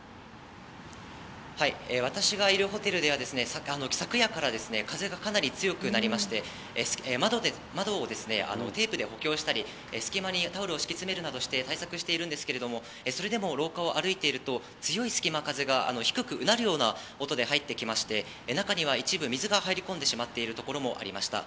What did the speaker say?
私がいるホテルでは、昨夜から風がかなり強くなりまして、窓をテープで補強したり、隙間にタオルを敷き詰めるなどして、対策しているんですけれども、それでも廊下を歩いていると、強い隙間風が低くうなるような音で入ってきまして、中には一部水が入り込んでしまっている所もありました。